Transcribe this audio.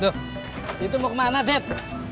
duh itu mau kemana det